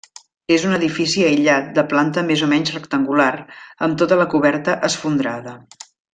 És un edifici aïllat de planta més o menys rectangular, amb tota la coberta esfondrada.